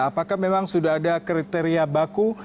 apakah memang sudah ada kriteria baku